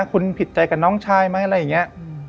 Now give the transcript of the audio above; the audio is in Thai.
คุณผิดใจกับน้องชายไหมอะไรอย่างนี้